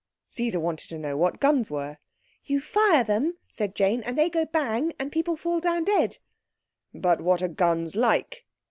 Caesar wanted to know what guns were. "You fire them," said Jane, "and they go bang, and people fall down dead." "But what are guns like?"